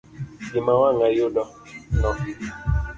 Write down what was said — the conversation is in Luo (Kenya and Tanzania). Gima wang ayudo no.